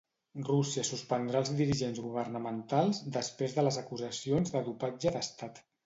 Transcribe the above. Rússia suspendrà alts dirigents governamentals després de les acusacions de dopatge d'estat.